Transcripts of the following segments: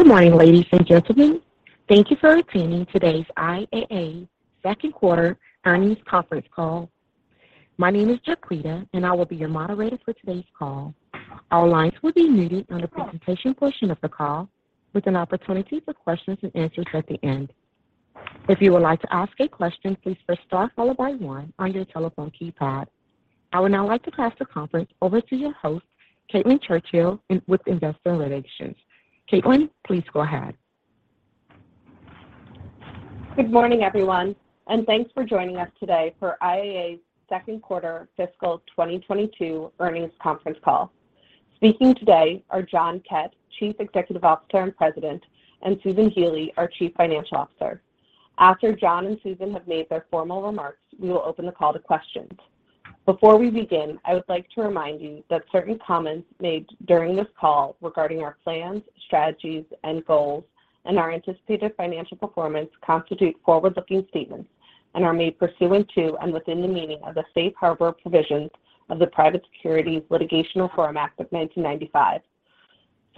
Good morning, ladies and gentlemen. Thank you for attending today's IAA second quarter earnings conference call. My name is Jacquita, and I will be your moderator for today's call. All lines will be muted on the presentation portion of the call with an opportunity for questions and answers at the end. If you would like to ask a question, please press star followed by one on your telephone keypad. I would now like to pass the conference over to your host, Caitlin Churchill with Investor Relations. Caitlin, please go ahead. Good morning, everyone, and thanks for joining us today for IAA's second quarter fiscal 2022 earnings conference call. Speaking today are John Kett, Chief Executive Officer and President, and Susan Healy, our Chief Financial Officer. After John and Susan have made their formal remarks, we will open the call to questions. Before we begin, I would like to remind you that certain comments made during this call regarding our plans, strategies, and goals and our anticipated financial performance constitute forward-looking statements and are made pursuant to and within the meaning of the Safe Harbor provisions of the Private Securities Litigation Reform Act of 1995.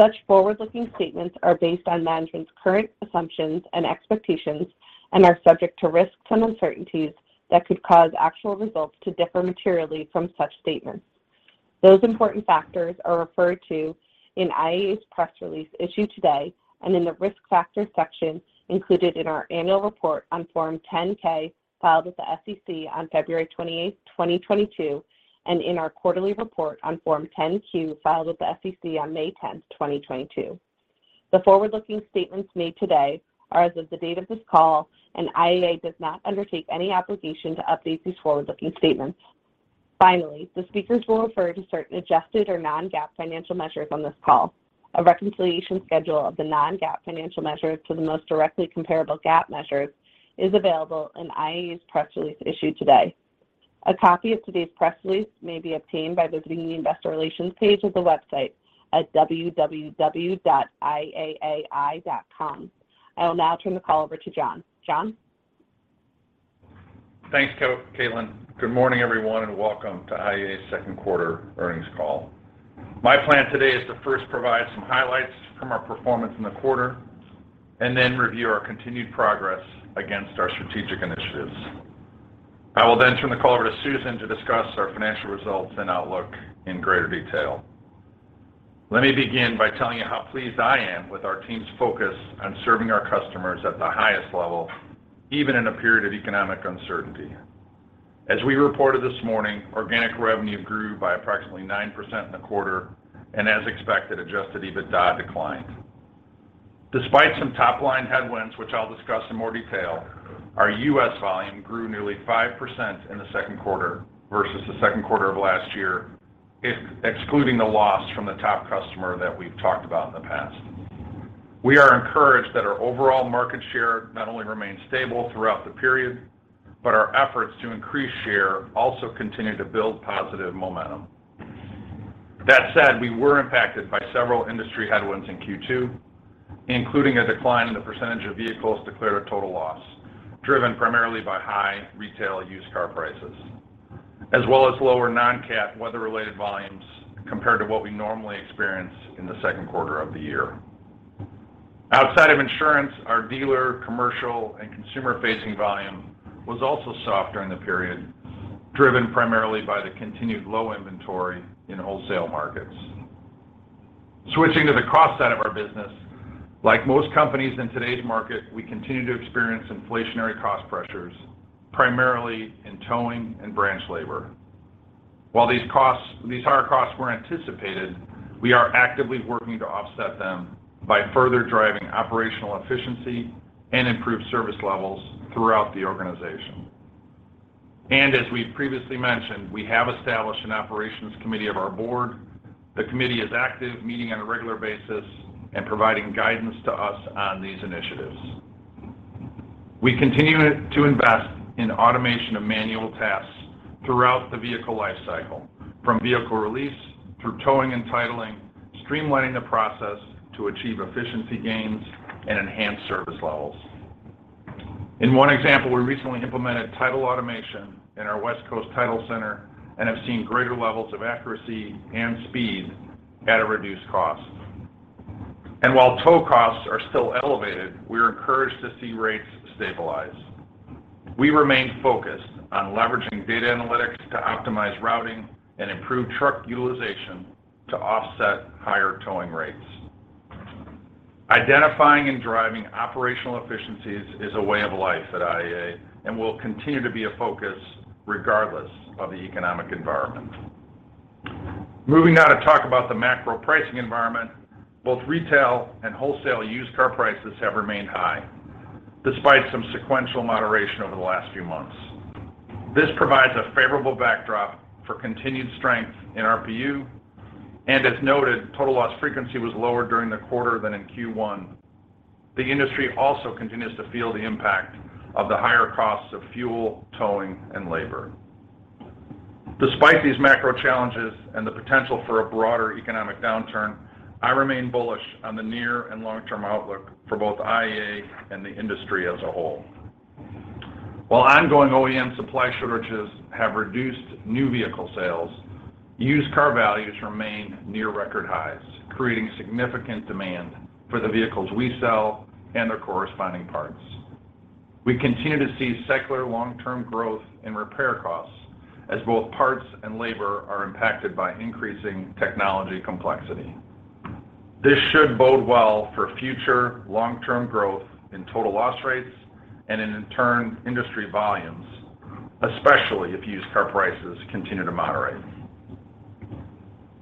Such forward-looking statements are based on management's current assumptions and expectations and are subject to risks and uncertainties that could cause actual results to differ materially from such statements. Those important factors are referred to in IAA's press release issued today and in the Risk Factors section included in our annual report on Form 10-K filed with the SEC on February 28, 2022, and in our quarterly report on Form 10-Q filed with the SEC on May 10, 2022. The forward-looking statements made today are as of the date of this call, and IAA does not undertake any obligation to update these forward-looking statements. Finally, the speakers will refer to certain adjusted or non-GAAP financial measures on this call. A reconciliation schedule of the non-GAAP financial measures to the most directly comparable GAAP measures is available in IAA's press release issued today. A copy of today's press release may be obtained by visiting the Investor Relations page of the website at www.iaai.com. I will now turn the call over to John. John? Thanks, Caitlin. Good morning, everyone, and welcome to IAA's second quarter earnings call. My plan today is to first provide some highlights from our performance in the quarter and then review our continued progress against our strategic initiatives. I will then turn the call over to Susan to discuss our financial results and outlook in greater detail. Let me begin by telling you how pleased I am with our team's focus on serving our customers at the highest level, even in a period of economic uncertainty. As we reported this morning, organic revenue grew by approximately 9% in the quarter and as expected, adjusted EBITDA declined. Despite some top-line headwinds, which I'll discuss in more detail, our U.S. volume grew nearly 5% in the second quarter versus the second quarter of last year, excluding the loss from the top customer that we've talked about in the past. We are encouraged that our overall market share not only remains stable throughout the period, but our efforts to increase share also continue to build positive momentum. That said, we were impacted by several industry headwinds in Q2, including a decline in the percentage of vehicles declared a total loss, driven primarily by high retail used car prices, as well as lower non-cat weather-related volumes compared to what we normally experience in the second quarter of the year. Outside of insurance, our dealer, commercial, and consumer-facing volume was also soft during the period, driven primarily by the continued low inventory in wholesale markets. Switching to the cost side of our business, like most companies in today's market, we continue to experience inflationary cost pressures, primarily in towing and branch labor. While these costs, these higher costs were anticipated, we are actively working to offset them by further driving operational efficiency and improved service levels throughout the organization. As we've previously mentioned, we have established an operations committee of our board. The committee is active, meeting on a regular basis and providing guidance to us on these initiatives. We continue to invest in automation of manual tasks throughout the vehicle lifecycle, from vehicle release through towing and titling, streamlining the process to achieve efficiency gains and enhance service levels. In one example, we recently implemented title automation in our West Coast Title Center and have seen greater levels of accuracy and speed at a reduced cost. While tow costs are still elevated, we're encouraged to see rates stabilize. We remain focused on leveraging data analytics to optimize routing and improve truck utilization to offset higher towing rates. Identifying and driving operational efficiencies is a way of life at IAA and will continue to be a focus regardless of the economic environment. Moving now to talk about the macro pricing environment, both retail and wholesale used car prices have remained high despite some sequential moderation over the last few months. This provides a favorable backdrop for continued strength in RPU, and as noted, total loss frequency was lower during the quarter than in Q1. The industry also continues to feel the impact of the higher costs of fuel, towing, and labor. Despite these macro challenges and the potential for a broader economic downturn, I remain bullish on the near and long-term outlook for both IAA and the industry as a whole. While ongoing OEM supply shortages have reduced new vehicle sales, used car values remain near record highs, creating significant demand for the vehicles we sell and their corresponding parts. We continue to see secular long-term growth in repair costs as both parts and labor are impacted by increasing technology complexity. This should bode well for future long-term growth in total loss rates and in turn, industry volumes, especially if used car prices continue to moderate.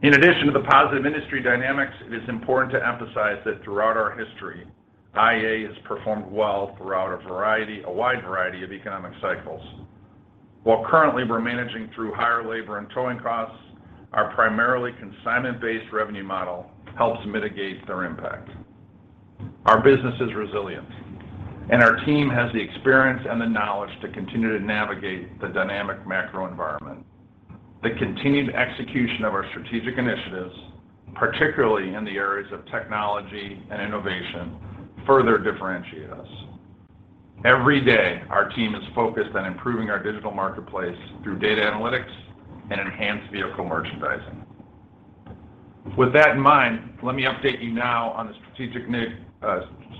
In addition to the positive industry dynamics, it is important to emphasize that throughout our history, IAA has performed well throughout a wide variety of economic cycles. While currently we're managing through higher labor and towing costs, our primarily consignment-based revenue model helps mitigate their impact. Our business is resilient, and our team has the experience and the knowledge to continue to navigate the dynamic macro environment. The continued execution of our strategic initiatives, particularly in the areas of technology and innovation, further differentiate us. Every day, our team is focused on improving our digital marketplace through data analytics and enhanced vehicle merchandising. With that in mind, let me update you now on the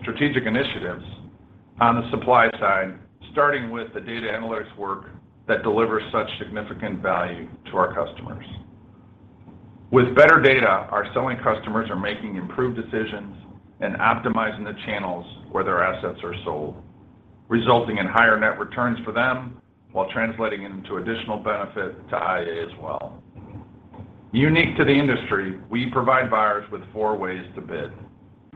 strategic initiatives on the supply side, starting with the data analytics work that delivers such significant value to our customers. With better data, our selling customers are making improved decisions and optimizing the channels where their assets are sold, resulting in higher net returns for them while translating into additional benefit to IAA as well. Unique to the industry, we provide buyers with four ways to bid,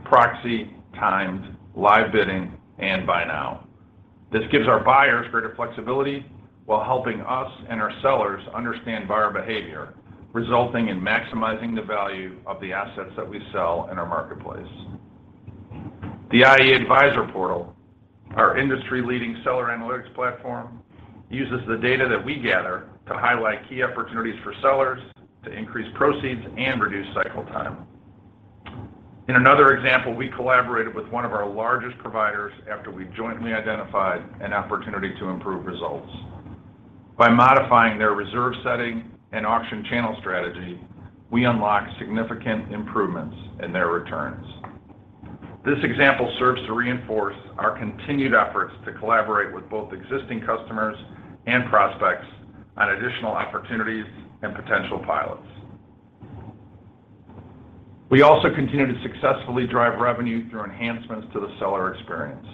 proxy, timed, live bidding, and buy now. This gives our buyers greater flexibility while helping us and our sellers understand buyer behavior, resulting in maximizing the value of the assets that we sell in our marketplace. The IAA Advisor Portal, our industry-leading seller analytics platform, uses the data that we gather to highlight key opportunities for sellers to increase proceeds and reduce cycle time. In another example, we collaborated with one of our largest providers after we jointly identified an opportunity to improve results. By modifying their reserve setting and auction channel strategy, we unlocked significant improvements in their returns. This example serves to reinforce our continued efforts to collaborate with both existing customers and prospects on additional opportunities and potential pilots. We also continue to successfully drive revenue through enhancements to the seller experience.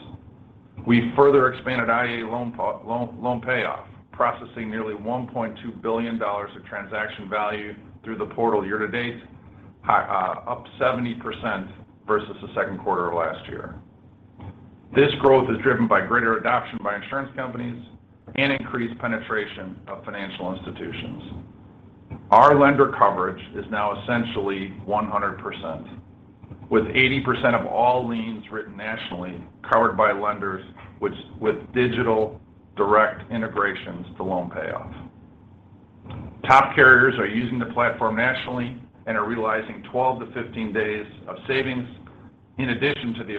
We further expanded IAA Loan Payoff, processing nearly $1.2 billion of transaction value through the portal year-to-date, up 70% versus the second quarter of last year. This growth is driven by greater adoption by insurance companies and increased penetration of financial institutions. Our lender coverage is now essentially 100%, with 80% of all liens written nationally covered by lenders which, with digital direct integrations to Loan Payoff. Top carriers are using the platform nationally and are realizing 12-15 days of savings in addition to the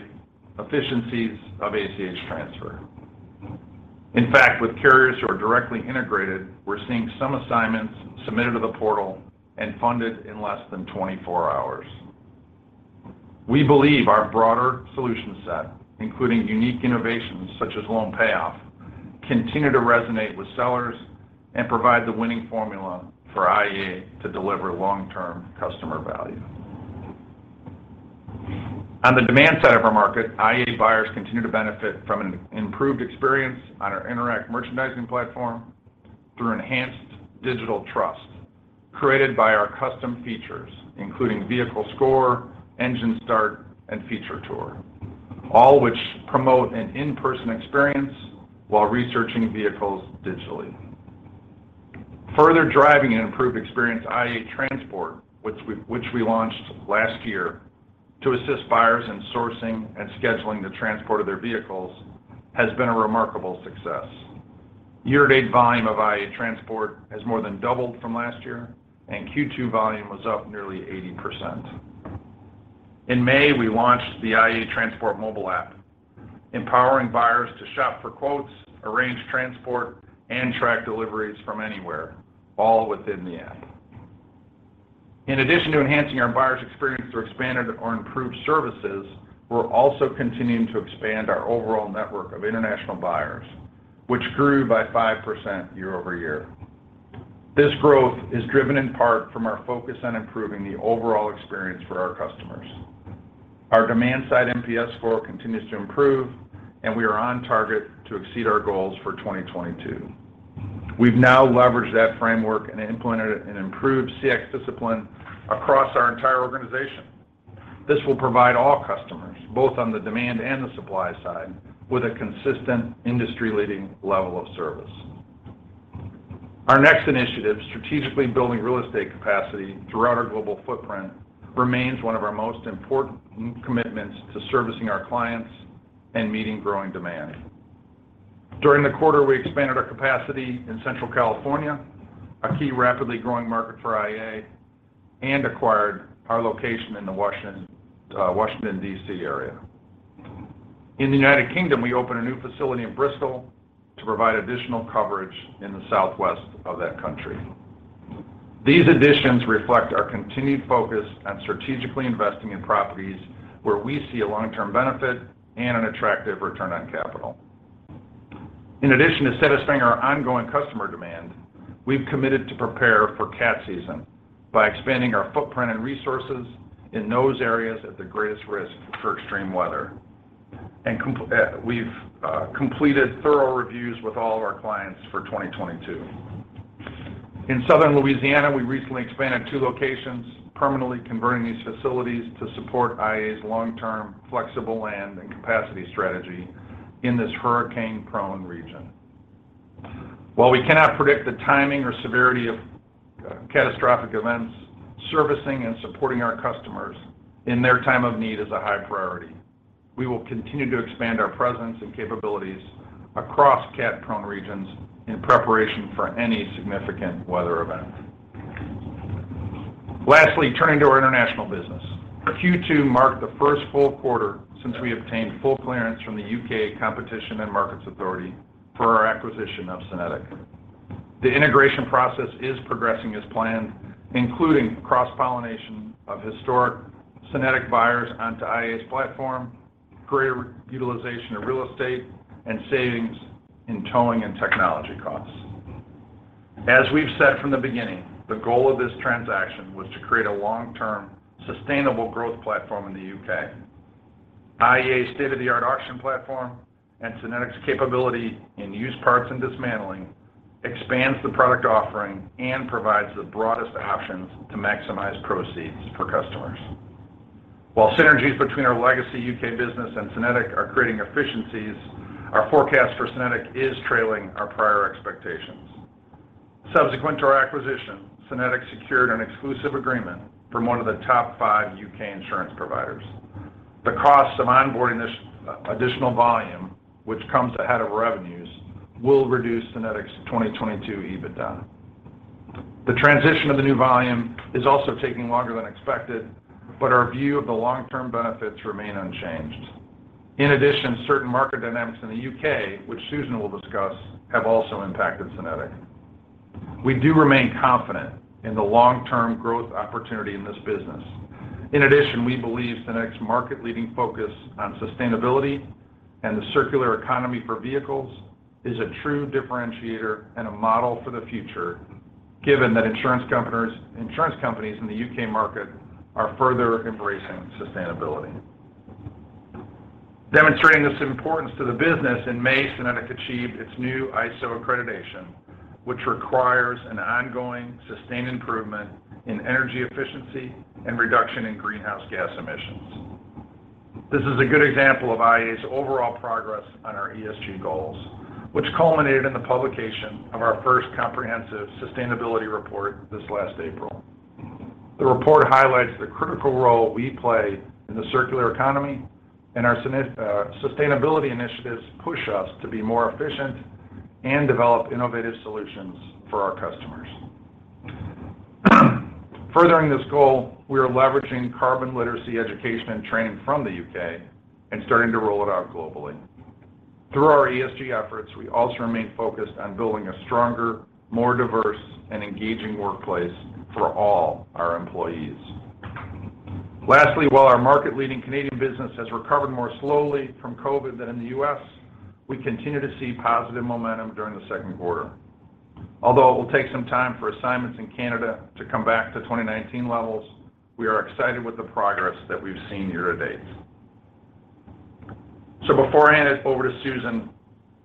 efficiencies of ACH transfer. In fact, with carriers who are directly integrated, we're seeing some assignments submitted to the portal and funded in less than 24 hours. We believe our broader solution set, including unique innovations such as Loan Payoff, continue to resonate with sellers and provide the winning formula for IAA to deliver long-term customer value. On the demand side of our market, IAA buyers continue to benefit from an improved experience on our Interact merchandising platform through enhanced digital trust created by our custom features, including Vehicle Score, Engine Start, and Feature Tour, all which promote an in-person experience while researching vehicles digitally. Further driving an improved experience, IAA Transport, which we launched last year to assist buyers in sourcing and scheduling the transport of their vehicles, has been a remarkable success. Year-to-date volume of IAA Transport has more than doubled from last year, and Q2 volume was up nearly 80%. In May, we launched the IAA Transport mobile app, empowering buyers to shop for quotes, arrange transport, and track deliveries from anywhere, all within the app. In addition to enhancing our buyers' experience through expanded or improved services, we're also continuing to expand our overall network of international buyers, which grew by 5% year over year. This growth is driven in part from our focus on improving the overall experience for our customers. Our demand-side NPS score continues to improve, and we are on target to exceed our goals for 2022. We've now leveraged that framework and implemented an improved CX discipline across our entire organization. This will provide all customers, both on the demand and the supply side, with a consistent industry-leading level of service. Our next initiative, strategically building real estate capacity throughout our global footprint, remains one of our most important commitments to servicing our clients and meeting growing demand. During the quarter, we expanded our capacity in Central California, a key rapidly growing market for IAA. We acquired our location in the Washington D.C. area. In the United Kingdom, we opened a new facility in Bristol to provide additional coverage in the southwest of that country. These additions reflect our continued focus on strategically investing in properties where we see a long-term benefit and an attractive return on capital. In addition to satisfying our ongoing customer demand, we've committed to prepare for cat season by expanding our footprint and resources in those areas at the greatest risk for extreme weather. We've completed thorough reviews with all of our clients for 2022. In Southern Louisiana, we recently expanded two locations, permanently converting these facilities to support IAA's long-term flexible land and capacity strategy in this hurricane-prone region. While we cannot predict the timing or severity of catastrophic events, servicing and supporting our customers in their time of need is a high priority. We will continue to expand our presence and capabilities across cat-prone regions in preparation for any significant weather event. Lastly, turning to our international business. Q2 marked the first full quarter since we obtained full clearance from the U.K. Competition and Markets Authority for our acquisition of SYNETIQ. The integration process is progressing as planned, including cross-pollination of historic SYNETIQ buyers onto IAA's platform, greater utilization of real estate, and savings in towing and technology costs. As we've said from the beginning, the goal of this transaction was to create a long-term sustainable growth platform in the U.K. IAA's state-of-the-art auction platform and SYNETIQ's capability in used parts and dismantling expands the product offering and provides the broadest options to maximize proceeds for customers. While synergies between our legacy U.K. business and SYNETIQ are creating efficiencies, our forecast for SYNETIQ is trailing our prior expectations. Subsequent to our acquisition, SYNETIQ secured an exclusive agreement from one of the top five U.K. insurance providers. The cost of onboarding this additional volume, which comes ahead of revenues, will reduce SYNETIQ's 2022 EBITDA. The transition of the new volume is also taking longer than expected, but our view of the long-term benefits remain unchanged. In addition, certain market dynamics in the U.K., which Susan will discuss, have also impacted SYNETIQ. We do remain confident in the long-term growth opportunity in this business. In addition, we believe SYNETIQ's market-leading focus on sustainability and the circular economy for vehicles is a true differentiator and a model for the future, given that insurance companies in the U.K. market are further embracing sustainability. Demonstrating this importance to the business, in May, SYNETIQ achieved its new ISO accreditation, which requires an ongoing sustained improvement in energy efficiency and reduction in greenhouse gas emissions. This is a good example of IAA's overall progress on our ESG goals, which culminated in the publication of our first comprehensive sustainability report this last April. The report highlights the critical role we play in the circular economy and our sustainability initiatives push us to be more efficient and develop innovative solutions for our customers. Furthering this goal, we are leveraging Carbon Literacy education and training from the U.K. and starting to roll it out globally. Through our ESG efforts, we also remain focused on building a stronger, more diverse, and engaging workplace for all our employees. Lastly, while our market-leading Canadian business has recovered more slowly from COVID than in the U.S., we continue to see positive momentum during the second quarter. Although it will take some time for assignments in Canada to come back to 2019 levels, we are excited with the progress that we've seen year-to-date. Before I hand it over to Susan,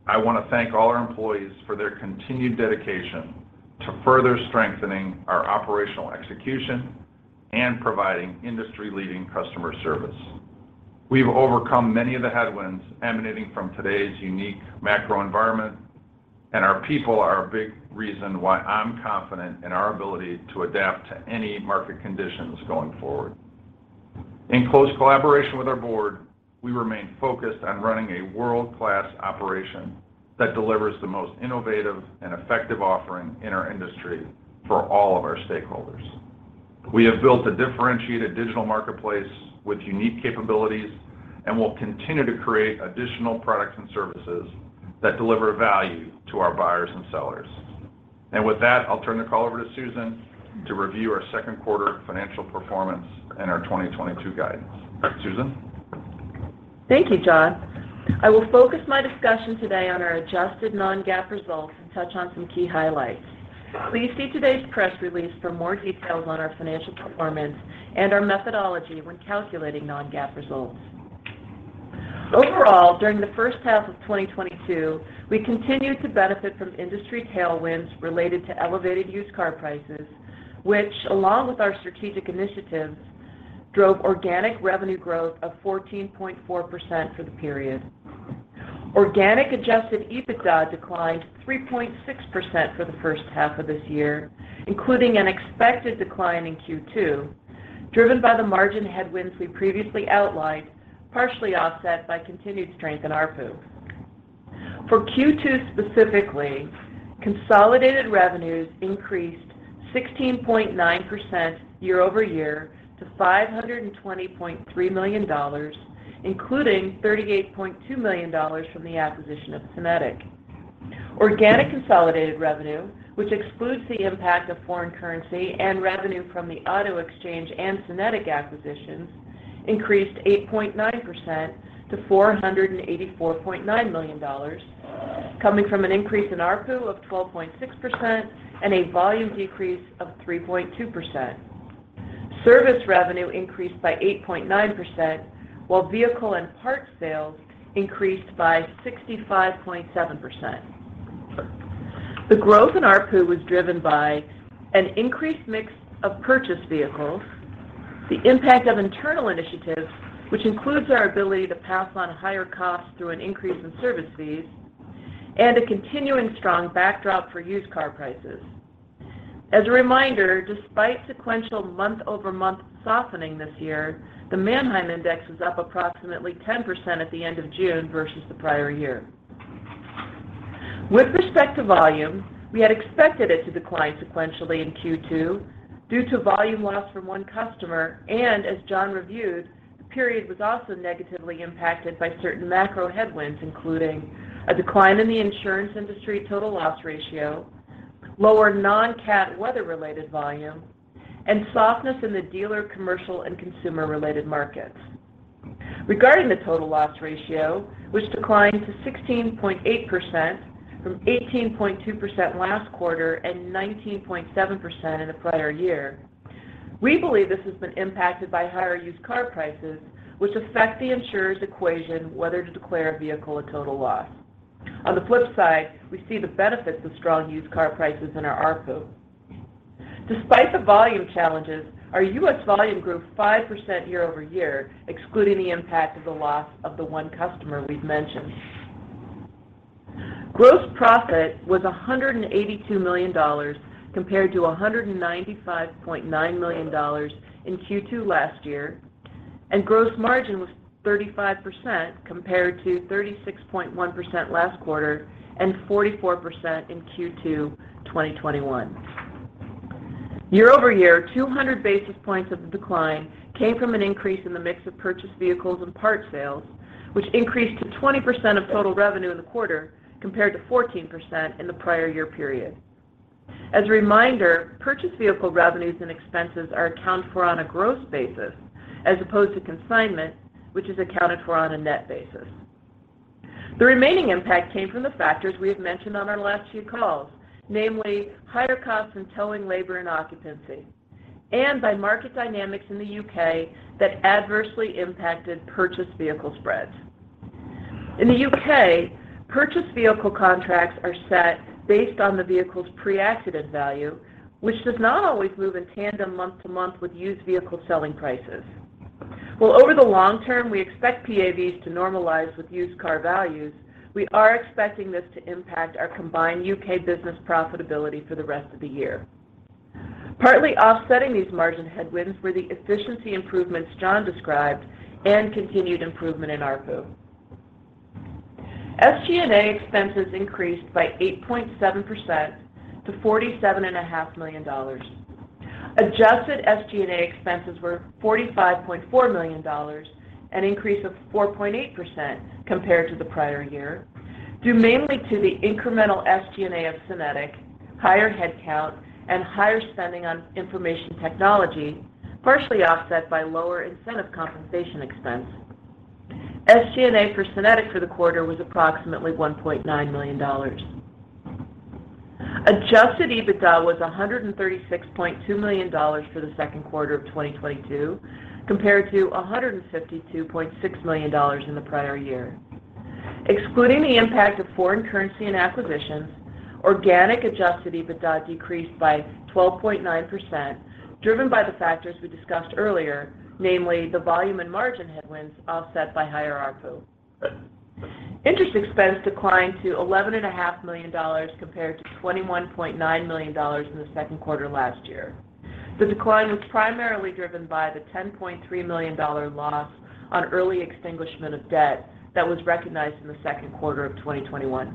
I want to thank all our employees for their continued dedication to further strengthening our operational execution and providing industry-leading customer service. We've overcome many of the headwinds emanating from today's unique macro environment, and our people are a big reason why I'm confident in our ability to adapt to any market conditions going forward. In close collaboration with our board, we remain focused on running a world-class operation that delivers the most innovative and effective offering in our industry for all of our stakeholders. We have built a differentiated digital marketplace with unique capabilities and will continue to create additional products and services that deliver value to our buyers and sellers. With that, I'll turn the call over to Susan to review our second quarter financial performance and our 2022 guidance. Susan? Thank you, John. I will focus my discussion today on our adjusted non-GAAP results and touch on some key highlights. Please see today's press release for more details on our financial performance and our methodology when calculating non-GAAP results. Overall, during the first half of 2022, we continued to benefit from industry tailwinds related to elevated used car prices, which along with our strategic initiatives, drove organic revenue growth of 14.4% for the period. Organic adjusted EBITDA declined 3.6% for the first half of this year, including an expected decline in Q2, driven by the margin headwinds we previously outlined, partially offset by continued strength in ARPU. For Q2 specifically, consolidated revenues increased 16.9% year-over-year to $520.3 million, including $38.2 million from the acquisition of SYNETIQ. Organic consolidated revenue, which excludes the impact of foreign currency and revenue from the Auto Exchange and SYNETIQ acquisitions, increased 8.9% to $484.9 million, coming from an increase in ARPU of 12.6% and a volume decrease of 3.2%. Service revenue increased by 8.9%, while vehicle and parts sales increased by 65.7%. The growth in ARPU was driven by an increased mix of purchased vehicles, the impact of internal initiatives, which includes our ability to pass on higher costs through an increase in service fees, and a continuing strong backdrop for used car prices. As a reminder, despite sequential month-over-month softening this year, the Manheim Index was up approximately 10% at the end of June versus the prior year. With respect to volume, we had expected it to decline sequentially in Q2 due to volume loss from one customer, and as John reviewed, the period was also negatively impacted by certain macro headwinds, including a decline in the insurance industry total loss ratio, lower non-cat weather-related volume, and softness in the dealer commercial and consumer-related markets. Regarding the total loss ratio, which declined to 16.8% from 18.2% last quarter and 19.7% in the prior year, we believe this has been impacted by higher used car prices, which affect the insurer's equation whether to declare a vehicle a total loss. On the flip side, we see the benefits of strong used car prices in our ARPU. Despite the volume challenges, our U.S. volume grew 5% year-over-year, excluding the impact of the loss of the one customer we've mentioned. Gross profit was $182 million compared to $195.9 million in Q2 last year, and gross margin was 35% compared to 36.1% last quarter and 44% in Q2 2021. Year-over-year, 200 basis points of the decline came from an increase in the mix of purchased vehicles and parts sales, which increased to 20% of total revenue in the quarter compared to 14% in the prior year period. As a reminder, purchased vehicle revenues and expenses are accounted for on a gross basis as opposed to consignment, which is accounted for on a net basis. The remaining impact came from the factors we have mentioned on our last few calls, namely higher costs in towing, labor, and occupancy, and by market dynamics in the U.K. that adversely impacted purchased vehicle spreads. In the U.K., purchased vehicle contracts are set based on the vehicle's pre-accident value, which does not always move in tandem month to month with used vehicle selling prices. While over the long term, we expect PAVs to normalize with used car values, we are expecting this to impact our combined U.K. business profitability for the rest of the year. Partly offsetting these margin headwinds were the efficiency improvements John described and continued improvement in ARPU. SG&A expenses increased by 8.7% to $47.5 million. Adjusted SG&A expenses were $45.4 million, an increase of 4.8% compared to the prior year, due mainly to the incremental SG&A of SYNETIQ, higher headcount, and higher spending on information technology, partially offset by lower incentive compensation expense. SG&A for SYNETIQ for the quarter was approximately $1.9 million. Adjusted EBITDA was $136.2 million for the second quarter of 2022, compared to $152.6 million in the prior year. Excluding the impact of foreign currency and acquisitions, organic adjusted EBITDA decreased by 12.9%, driven by the factors we discussed earlier, namely the volume and margin headwinds offset by higher ARPU. Interest expense declined to $11.5 million compared to $21.9 million in the second quarter last year. The decline was primarily driven by the $10.3 million loss on early extinguishment of debt that was recognized in the second quarter of 2021.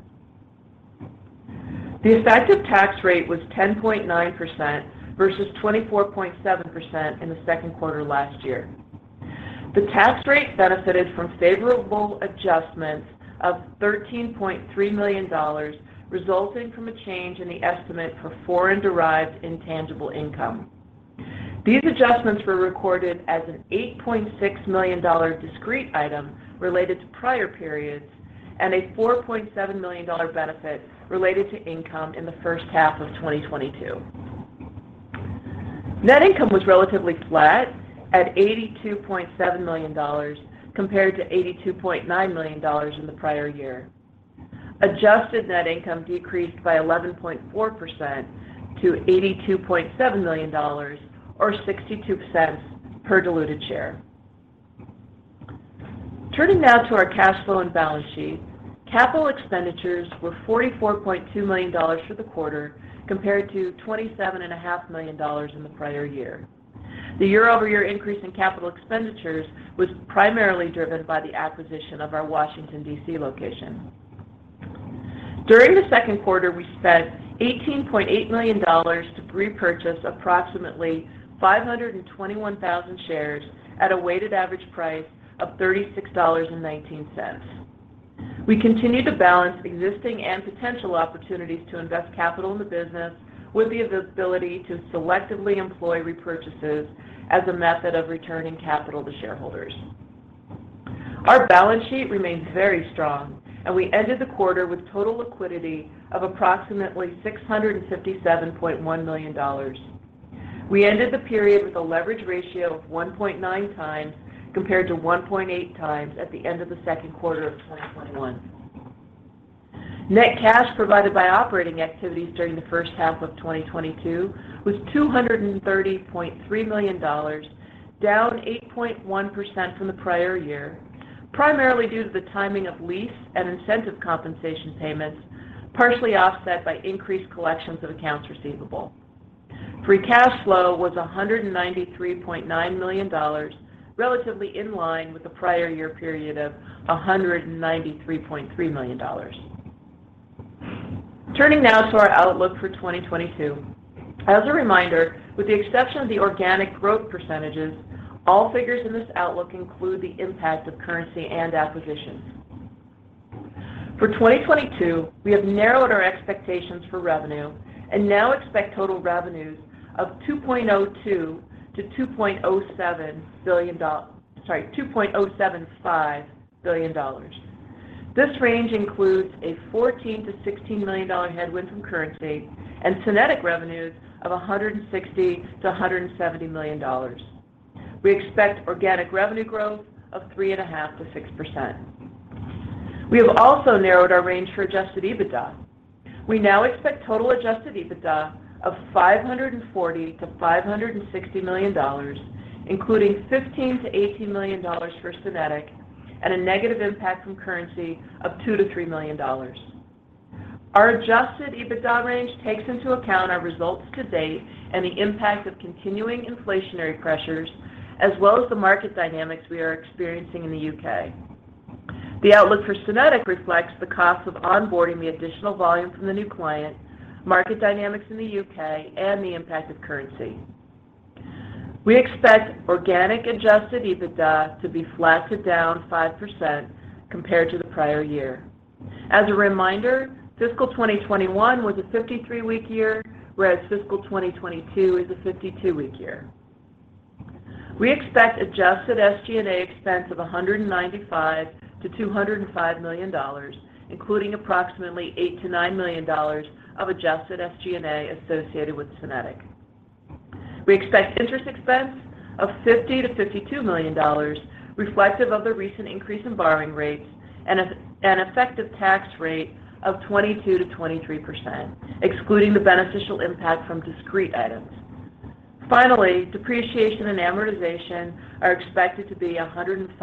The effective tax rate was 10.9% versus 24.7% in the second quarter last year. The tax rate benefited from favorable adjustments of $13.3 million resulting from a change in the estimate for foreign-derived intangible income. These adjustments were recorded as an $8.6 million discrete item related to prior periods and a $4.7 million benefit related to income in the first half of 2022. Net income was relatively flat at $82.7 million compared to $82.9 million in the prior year. Adjusted net income decreased by 11.4% to $82.7 million or $0.62 per diluted share. Turning now to our cash flow and balance sheet, capital expenditures were $44.2 million for the quarter compared to $27.5 million in the prior year. The year-over-year increase in capital expenditures was primarily driven by the acquisition of our Washington, D.C. location. During the second quarter, we spent $18.8 million to repurchase approximately 521,000 shares at a weighted average price of $36.19. We continue to balance existing and potential opportunities to invest capital in the business with the ability to selectively employ repurchases as a method of returning capital to shareholders. Our balance sheet remains very strong, and we ended the quarter with total liquidity of approximately $657.1 million. We ended the period with a leverage ratio of 1.9x compared to 1.8x at the end of the second quarter of 2021. Net cash provided by operating activities during the first half of 2022 was $230.3 million, down 8.1% from the prior year, primarily due to the timing of lease and incentive compensation payments, partially offset by increased collections of accounts receivable. Free cash flow was $193.9 million, relatively in line with the prior year period of $193.3 million. Turning now to our outlook for 2022. As a reminder, with the exception of the organic growth percentages, all figures in this outlook include the impact of currency and acquisitions. For 2022, we have narrowed our expectations for revenue and now expect total revenues of $2.02 billion-$2.075 billion. This range includes a $14 million-$16 million headwind from currency and SYNETIQ revenues of $160 million-$170 million. We expect organic revenue growth of 3.5%-6%. We have also narrowed our range for adjusted EBITDA. We now expect total adjusted EBITDA of $540 million-$560 million, including $15 million-$18 million for SYNETIQ and a negative impact from currency of $2 million-$3 million. Our adjusted EBITDA range takes into account our results to date and the impact of continuing inflationary pressures as well as the market dynamics we are experiencing in the U.K. The outlook for SYNETIQ reflects the cost of onboarding the additional volume from the new client, market dynamics in the U.K., and the impact of currency. We expect organic adjusted EBITDA to be flat to down 5% compared to the prior year. As a reminder, fiscal 2021 was a 53-week year, whereas fiscal 2022 is a 52-week year. We expect adjusted SG&A expense of $195 million-$205 million, including approximately $8 million-$9 million of adjusted SG&A associated with SYNETIQ. We expect interest expense of $50 million-$52 million reflective of the recent increase in borrowing rates and an effective tax rate of 22%-23%, excluding the beneficial impact from discrete items. Finally, depreciation and amortization are expected to be $105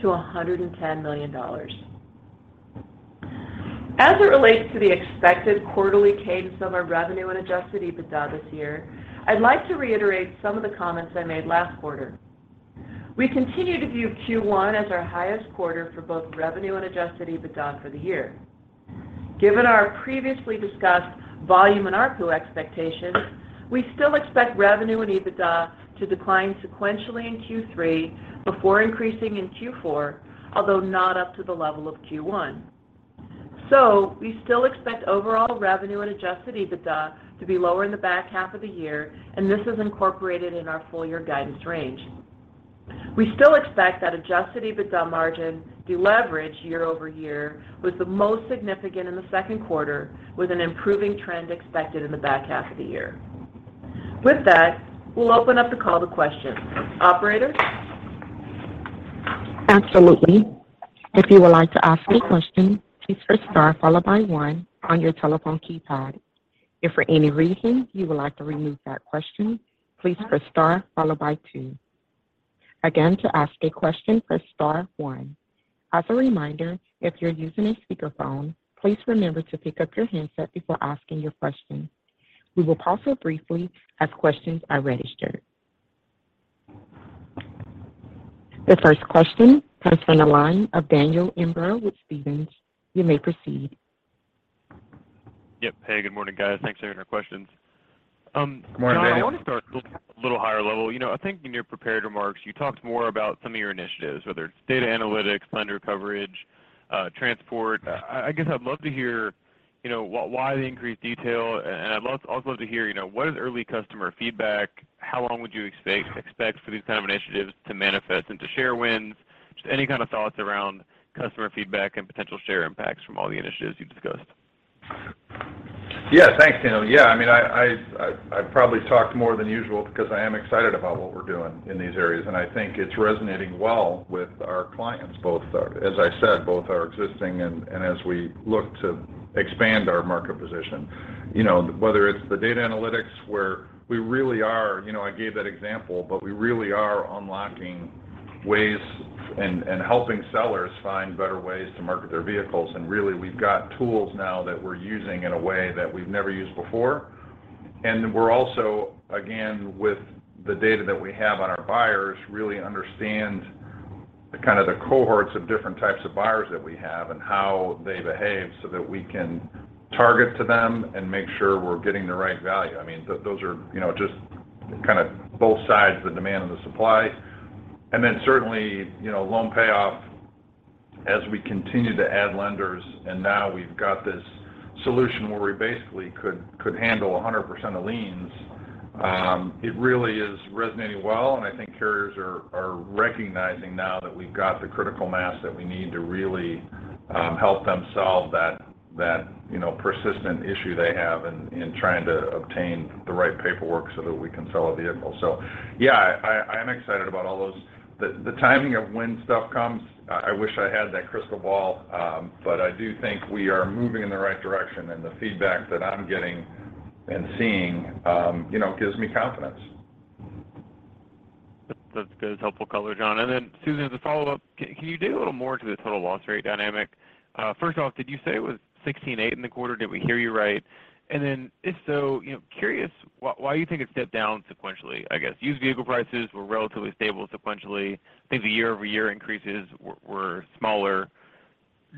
million-$110 million. As it relates to the expected quarterly cadence of our revenue and adjusted EBITDA this year, I'd like to reiterate some of the comments I made last quarter. We continue to view Q1 as our highest quarter for both revenue and adjusted EBITDA for the year. Given our previously discussed volume and ARPU expectations, we still expect revenue and EBITDA to decline sequentially in Q3 before increasing in Q4, although not up to the level of Q1. We still expect overall revenue and adjusted EBITDA to be lower in the back half of the year, and this is incorporated in our full year guidance range. We still expect that adjusted EBITDA margin deleverage year over year was the most significant in the second quarter, with an improving trend expected in the back half of the year. With that, we'll open up the call to questions. Operator? Absolutely. If you would like to ask a question, please press star followed by one on your telephone keypad. If for any reason you would like to remove that question, please press star followed by two. Again, to ask a question, press star one. As a reminder, if you're using a speakerphone, please remember to pick up your handset before asking your question. We will pause here briefly as questions are registered. The first question comes from the line of Daniel Imbro with Stephens. You may proceed. Yep. Hey, good morning, guys. Thanks for taking our questions. Good morning, Daniel. I want to start a little higher level. You know, I think in your prepared remarks, you talked more about some of your initiatives, whether it's data analytics, lender coverage, transport. I guess I'd love to hear, you know, why the increased detail, and I'd love also to hear, you know, what is early customer feedback? How long would you expect for these kind of initiatives to manifest into share wins? Just any kind of thoughts around customer feedback and potential share impacts from all the initiatives you've discussed. Yeah. Thanks, Daniel. Yeah, I mean, I probably talked more than usual because I am excited about what we're doing in these areas. I think it's resonating well with our clients, both our existing and as we look to expand our market position. You know, whether it's the data analytics where we really are. You know, I gave that example, but we really are unlocking ways and helping sellers find better ways to market their vehicles. Really, we've got tools now that we're using in a way that we've never used before. We're also, again, with the data that we have on our buyers, really understand the kind of the cohorts of different types of buyers that we have and how they behave so that we can target to them and make sure we're getting the right value. I mean, those are, you know, just kind of both sides of the demand and the supply. Then certainly, you know, Loan Payoff as we continue to add lenders, and now we've got this solution where we basically could handle 100% of liens, it really is resonating well, and I think carriers are recognizing now that we've got the critical mass that we need to really help them solve that, you know, persistent issue they have in trying to obtain the right paperwork so that we can sell a vehicle. Yeah, I'm excited about all those. The timing of when stuff comes, I wish I had that crystal ball, but I do think we are moving in the right direction, and the feedback that I'm getting and seeing, you know, gives me confidence. That's good. Helpful color, John. Susan, as a follow-up, can you dig a little more into the total loss rate dynamic? First off, did you say it was 16.8% in the quarter? Did we hear you right? If so, you know, curious why you think it stepped down sequentially, I guess. Used vehicle prices were relatively stable sequentially. I think the year-over-year increases were smaller.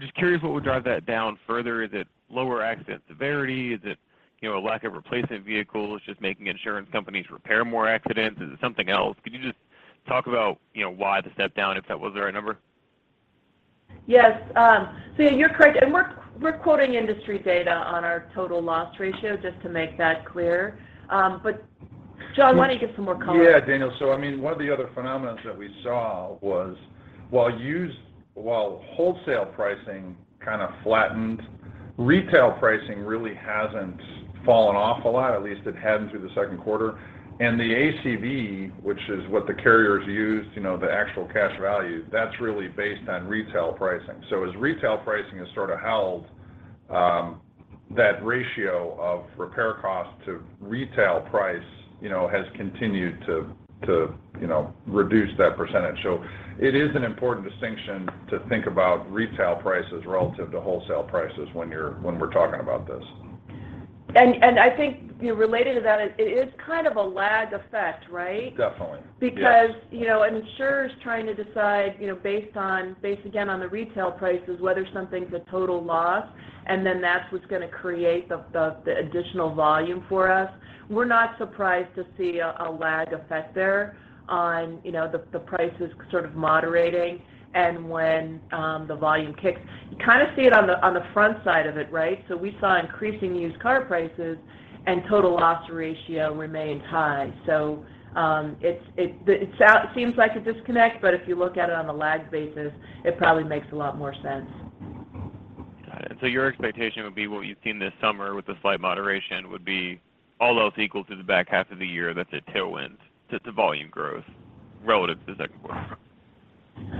Just curious what would drive that down further. Is it lower accident severity? Is it, you know, a lack of replacement vehicles just making insurance companies repair more accidents? Is it something else? Could you just talk about, you know, why the step down if that was the right number? Yes. You're correct. We're quoting industry data on our total loss ratio, just to make that clear. John, why don't you give some more color? Yeah, Daniel. I mean, one of the other phenomena that we saw was while wholesale pricing kind of flattened, retail pricing really hasn't fallen off a lot, at least it hadn't through the second quarter. The ACV, which is what the carriers use, you know, the actual cash value, that's really based on retail pricing. As retail pricing has sort of held, that ratio of repair cost to retail price, you know, has continued to reduce that percentage. It is an important distinction to think about retail prices relative to wholesale prices when we're talking about this. I think, you know, related to that, it is kind of a lag effect, right? Definitely. Yes. Because, you know, an insurer's trying to decide, you know, based on, based again on the retail prices, whether something's a total loss, and then that's what's going to create the additional volume for us. We're not surprised to see a lag effect there on, you know, the prices sort of moderating and when the volume kicks. You kind of see it on the front side of it, right? We saw increasing used car prices and total loss ratio remained high. It seems like a disconnect, but if you look at it on a lag basis, it probably makes a lot more sense. Got it. Your expectation would be what you've seen this summer with the slight moderation would be all else equal through the back half of the year. That's a tailwind to volume growth relative to second quarter.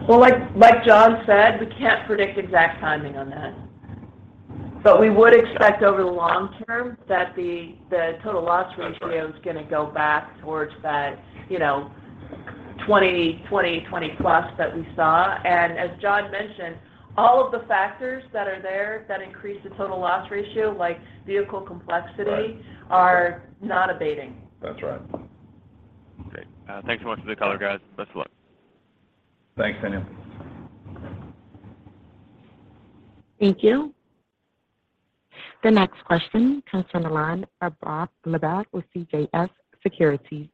Well, like John said, we can't predict exact timing on that. We would expect over the long term that the total loss ratio is gonna go back towards that, you know, 20, 20+ that we saw. As John mentioned, all of the factors that are there that increase the total loss ratio, like vehicle complexity- Right. -are not abating. That's right. Great. Thanks so much for the color, guys. Best of luck. Thanks, Daniel. Thank you. The next question comes from the line of Bob Labick with CJS Securities.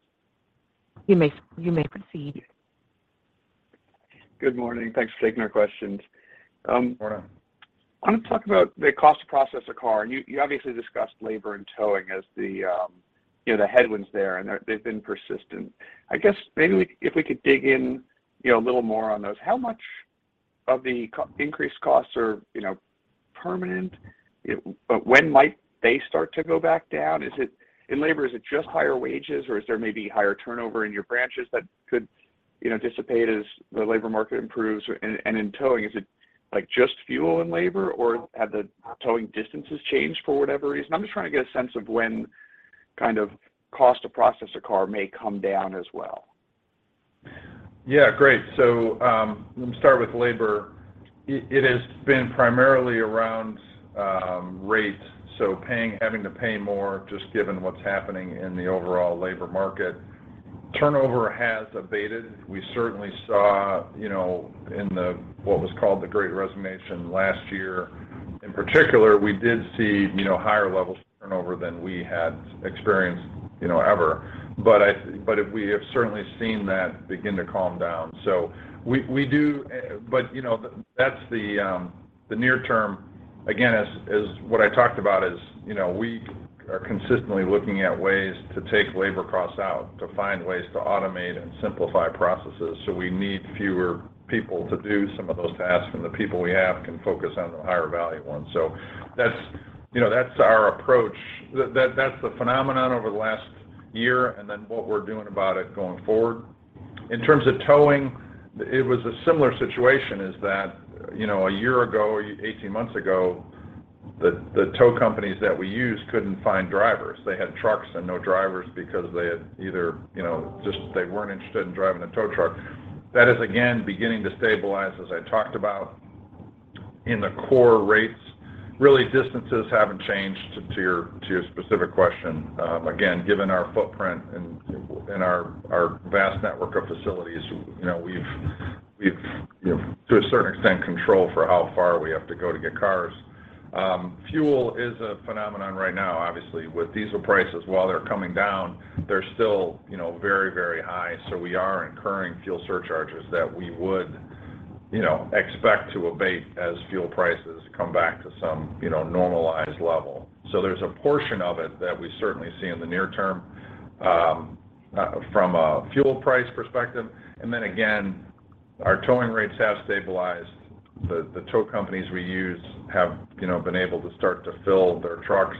You may proceed. Good morning. Thanks for taking our questions. Good morning. I want to talk about the cost to process a car. You obviously discussed labor and towing as the, you know, the headwinds there, and they've been persistent. I guess maybe if we could dig in, you know, a little more on those. How much of the increased costs are, you know, permanent? When might they start to go back down? In labor, is it just higher wages or is there maybe higher turnover in your branches that could, you know, dissipate as the labor market improves? In towing, is it like just fuel and labor, or have the towing distances changed for whatever reason? I'm just trying to get a sense of when kind of cost to process a car may come down as well. Yeah, great. Let me start with labor. It has been primarily around rate, so having to pay more just given what's happening in the overall labor market. Turnover has abated. We certainly saw, you know, in what was called the Great Resignation last year, in particular, we did see, you know, higher levels of turnover than we had experienced, you know, ever. We have certainly seen that begin to calm down. That's the near term, again, as what I talked about is, you know, we are consistently looking at ways to take labor costs out, to find ways to automate and simplify processes. We need fewer people to do some of those tasks, and the people we have can focus on the higher value ones. That's, you know, that's our approach. That's the phenomenon over the last year, and then what we're doing about it going forward. In terms of towing, it was a similar situation, that, you know, a year ago, 18 months ago. The tow companies that we use couldn't find drivers. They had trucks and no drivers because they had either, you know, just they weren't interested in driving a tow truck. That is again, beginning to stabilize, as I talked about in the toll rates. Really, distances haven't changed to your specific question. Again, given our footprint and our vast network of facilities, you know, we've you know, to a certain extent, control for how far we have to go to get cars. Fuel is a phenomenon right now, obviously. With diesel prices, while they're coming down, they're still, you know, very, very high, so we are incurring fuel surcharges that we would, you know, expect to abate as fuel prices come back to some, you know, normalized level. So there's a portion of it that we certainly see in the near term from a fuel price perspective. Then again, our towing rates have stabilized. The tow companies we use have, you know, been able to start to fill their trucks.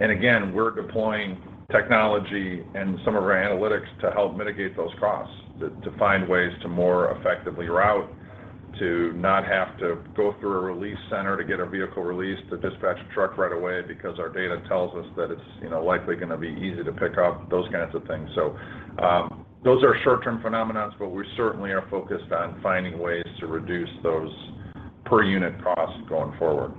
Again, we're deploying technology and some of our analytics to help mitigate those costs, to find ways to more effectively route, to not have to go through a release center to get a vehicle released to dispatch a truck right away because our data tells us that it's, you know, likely gonna be easy to pick up, those kinds of things. Those are short-term phenomena, but we certainly are focused on finding ways to reduce those per unit costs going forward.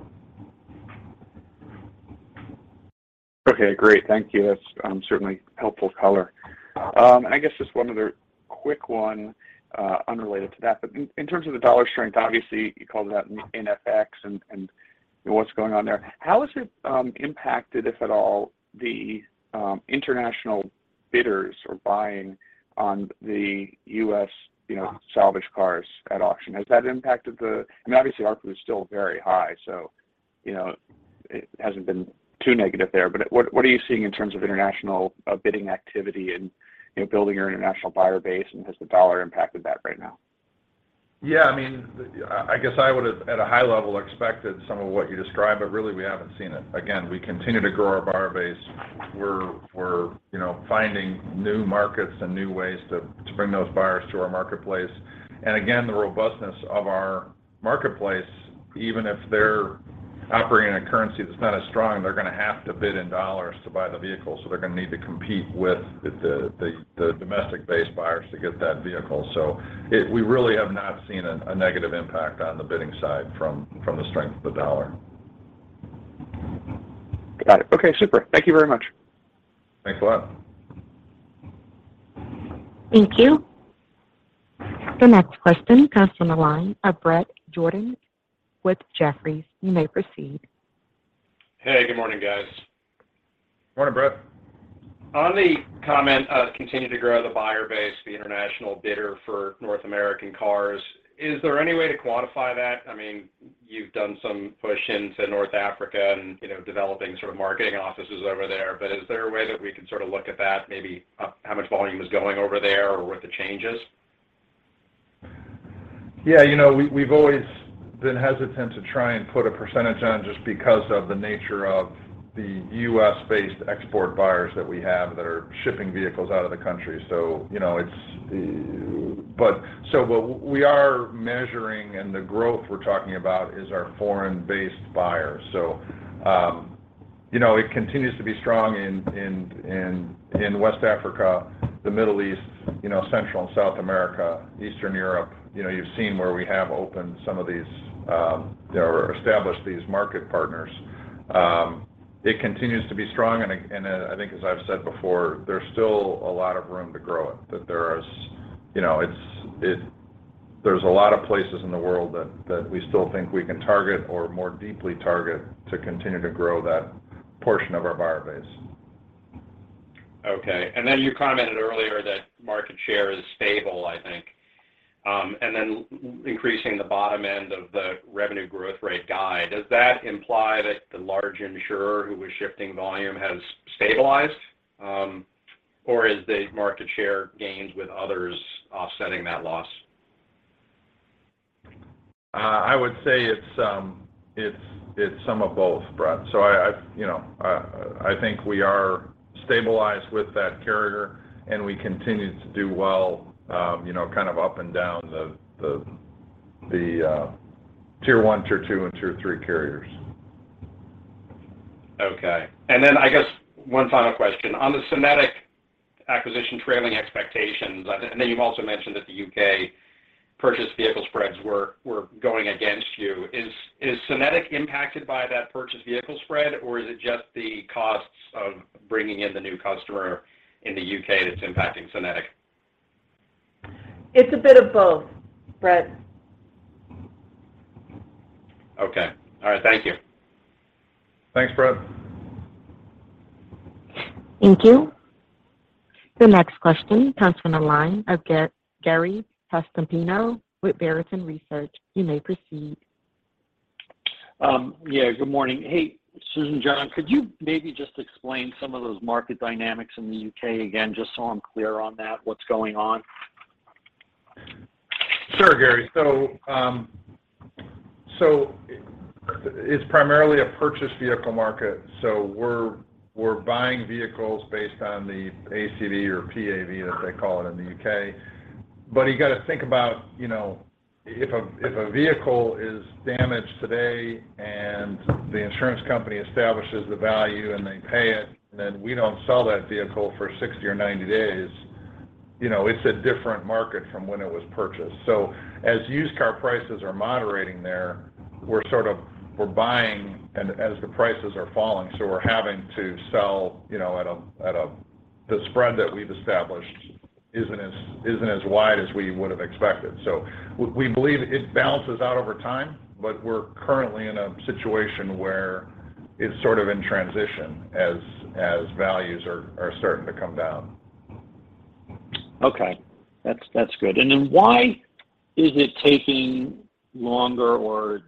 Okay, great. Thank you. That's certainly helpful color. I guess just one other quick one, unrelated to that. In terms of the dollar strength, obviously you called it out in FX and what's going on there. How has it impacted, if at all, the international bidders who are buying on the U.S., you know, salvage cars at auction? Has that impacted the, I mean, obviously ARPU is still very high, so, you know, it hasn't been too negative there. What are you seeing in terms of international bidding activity and, you know, building your international buyer base, and has the dollar impacted that right now? Yeah, I mean, I guess I would've at a high level expected some of what you described, but really we haven't seen it. Again, we continue to grow our buyer base. We're you know, finding new markets and new ways to bring those buyers to our marketplace. Again, the robustness of our marketplace, even if they're operating in a currency that's not as strong, they're gonna have to bid in U.S. dollars to buy the vehicle, so they're gonna need to compete with the domestic-based buyers to get that vehicle. We really have not seen a negative impact on the bidding side from the strength of the U.S. dollar. Got it. Okay, super. Thank you very much. Thanks a lot. Thank you. The next question comes from the line of Bret Jordan with Jefferies. You may proceed. Hey, good morning, guys. Morning, Bret. On the comment of continue to grow the buyer base, the international bidder for North American cars, is there any way to quantify that? I mean, you've done some push into North Africa and, you know, developing sort of marketing offices over there, but is there a way that we can sort of look at that, maybe how much volume is going over there or what the change is? Yeah, you know, we've always been hesitant to try and put a percentage on just because of the nature of the U.S.-based export buyers that we have that are shipping vehicles out of the country. You know, what we are measuring and the growth we're talking about is our foreign-based buyers. You know, it continues to be strong in West Africa, the Middle East, Central and South America, Eastern Europe. You know, you've seen where we have opened some of these or established these market partners. It continues to be strong and I think as I've said before, there's still a lot of room to grow it, you know, there's a lot of places in the world that we still think we can target or more deeply target to continue to grow that portion of our buyer base. Okay. You commented earlier that market share is stable, I think. Increasing the bottom end of the revenue growth rate guide, does that imply that the large insurer who was shifting volume has stabilized? Or is the market share gains with others offsetting that loss? I would say it's some of both, Bret. I think we are stabilized with that carrier and we continue to do well, you know, kind of up and down the tier one, tier two, and tier three carriers. Okay. Then I guess one final question. On the SYNETIQ acquisition trailing expectations, and then you've also mentioned that the U.K. purchase vehicle spreads were going against you. Is SYNETIQ impacted by that purchase vehicle spread, or is it just the costs of bringing in the new customer in the U.K. that's impacting SYNETIQ? It's a bit of both, Bret. Okay. All right. Thank you. Thanks, Bret. Thank you. The next question comes from the line of Gary Prestopino with Barrington Research. You may proceed. Yeah, good morning. Hey, Susan, John, could you maybe just explain some of those market dynamics in the U.K. again, just so I'm clear on that, what's going on? Sure, Gary. So it's primarily a purchase vehicle market. We're buying vehicles based on the ACV or PAV as they call it in the U.K. You got to think about, you know, if a vehicle is damaged today and the insurance company establishes the value and they pay it, and then we don't sell that vehicle for 60 or 90 days, you know, it's a different market from when it was purchased. As used car prices are moderating there, we're sort of buying and as the prices are falling, so we're having to sell, you know, at a- The spread that we've established isn't as wide as we would have expected. We believe it balances out over time, but we're currently in a situation where it's sort of in transition as values are starting to come down. Okay. That's good. Why is it taking longer or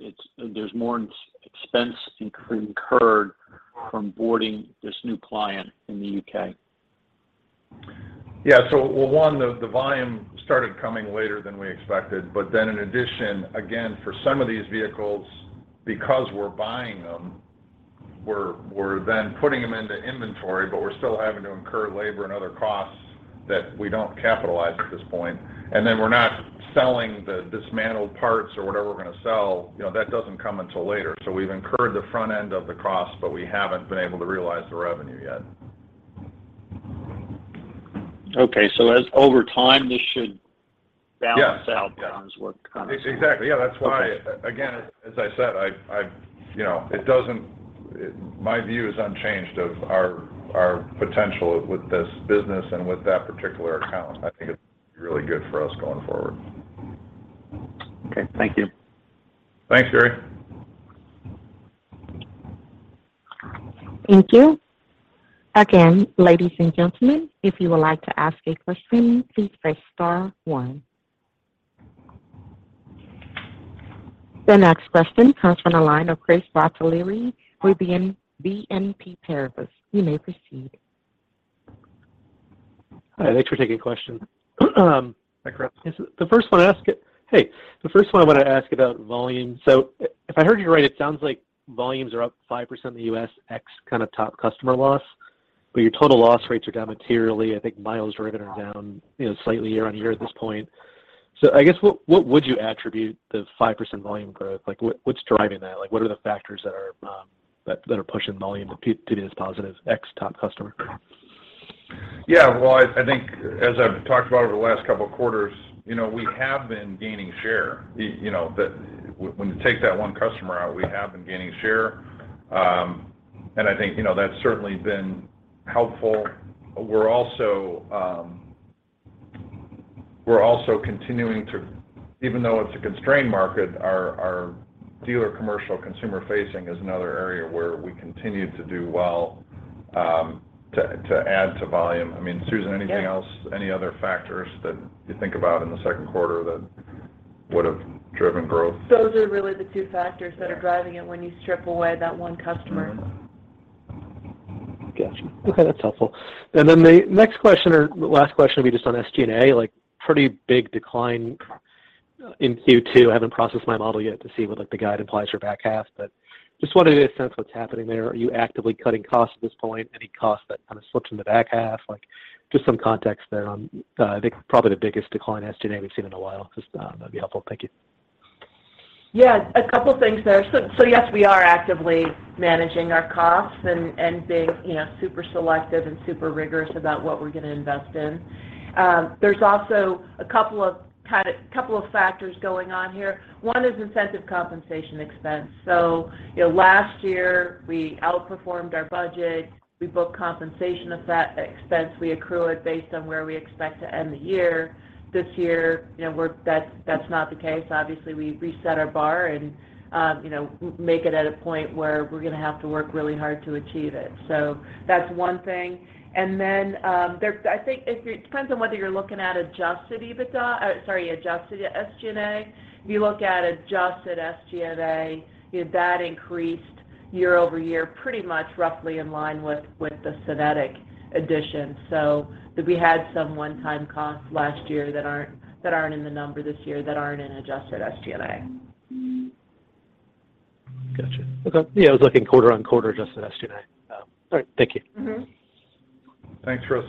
there's more expense incurred from onboarding this new client in the U.K.? Yeah. Well, one, the volume started coming later than we expected. Then in addition, again, for some of these vehicles, because we're buying them, we're then putting them into inventory, but we're still having to incur labor and other costs that we don't capitalize at this point. Then we're not selling the dismantled parts or whatever we're gonna sell, you know, that doesn't come until later. We've incurred the front end of the cost, but we haven't been able to realize the revenue yet. Okay. As over time, this should balance. Yeah. John's work kind of thing. Exactly, yeah. That's why, again, as I said, you know, my view is unchanged of our potential with this business and with that particular account. I think it's really good for us going forward. Okay. Thank you. Thanks, Gary. Thank you. Again, ladies and gentlemen, if you would like to ask a question, please press star one. The next question comes from the line of Chris Bottiglieri with BNP Paribas. You may proceed. Hi, thanks for taking the question. Hi, Chris. The first one I wanna ask about volume. If I heard you right, it sounds like volumes are up 5% in the U.S., ex kind of top customer loss, but your total loss rates are down materially. I think miles driven are down, you know, slightly year-over-year at this point. I guess, what would you attribute the 5% volume growth? Like, what's driving that? Like, what are the factors that are pushing volume to be this positive, ex top customer? Yeah. Well, I think as I've talked about over the last couple of quarters, you know, we have been gaining share. You know, when you take that one customer out, we have been gaining share. I think, you know, that's certainly been helpful. We're also continuing to even though it's a constrained market, our dealer commercial consumer facing is another area where we continue to do well, to add to volume. I mean, Susan, anything else? Yeah. Any other factors that you think about in the second quarter that would have driven growth? Those are really the two factors that are driving it when you strip away that one customer. Gotcha. Okay, that's helpful. The next question or last question will be just on SG&A, like pretty big decline in Q2. I haven't processed my model yet to see what like the guide implies for back half, but just wanted to get a sense what's happening there. Are you actively cutting costs at this point? Any costs that kind of slips in the back half? Like, just some context there on, I think probably the biggest decline SG&A we've seen in a while. Just, that'd be helpful. Thank you. Yeah, a couple of things there. Yes, we are actively managing our costs and being, you know, super selective and super rigorous about what we're gonna invest in. There's also a couple of factors going on here. One is incentive compensation expense. You know, last year we outperformed our budget. We booked compensation of that expense. We accrue it based on where we expect to end the year. This year, you know, that's not the case. Obviously, we reset our bar and, you know, make it at a point where we're gonna have to work really hard to achieve it. That's one thing. I think it depends on whether you're looking at adjusted EBITDA, sorry, adjusted SG&A. If you look at adjusted SG&A, you know, that increased year-over-year pretty much roughly in line with the SYNETIQ addition. We had some one-time costs last year that aren't in the number this year that aren't in adjusted SG&A. Got you. Okay. Yeah, I was looking quarter-over-quarter, adjusted SG&A. All right. Thank you. Mm-hmm. Thanks, Chris.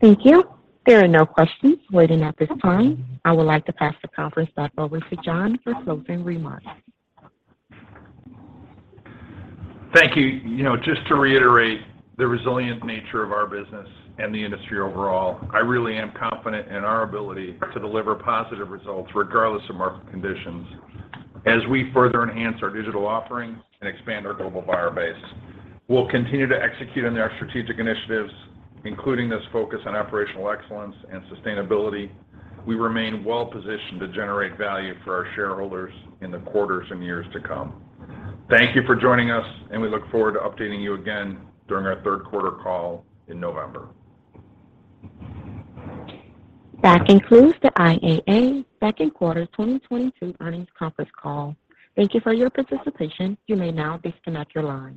Thank you. There are no questions waiting at this time. I would like to pass the conference back over to John for closing remarks. Thank you. You know, just to reiterate the resilient nature of our business and the industry overall, I really am confident in our ability to deliver positive results regardless of market conditions as we further enhance our digital offerings and expand our global buyer base. We'll continue to execute on our strategic initiatives, including this focus on operational excellence and sustainability. We remain well positioned to generate value for our shareholders in the quarters and years to come. Thank you for joining us, and we look forward to updating you again during our third quarter call in November. That concludes the IAA second quarter 2022 earnings conference call. Thank you for your participation. You may now disconnect your line.